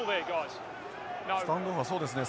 スタンドオフはそうですね